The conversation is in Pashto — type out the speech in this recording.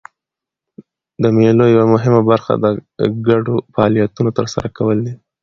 د مېلو یوه مهمه برخه د ګډو فعالیتونو ترسره کول دي.